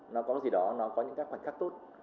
nó có gì đó nó có những các khoảnh khắc tốt